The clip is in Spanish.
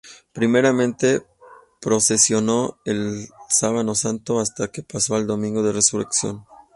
Primeramente procesionó el Sábado Santo hasta que pasó al Domingo de Resurrección.